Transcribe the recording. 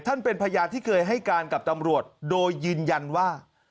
เป็นพยานที่เคยให้การกับตำรวจโดยยืนยันว่า